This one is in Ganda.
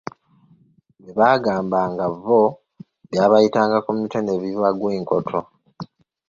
Bye baabagambanga bo byabayitanga ku mutwe ne bibagwa enkoto.